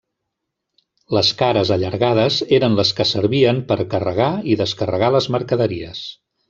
Les cares allargades eren les que servien per a carregar i descarregar les mercaderies.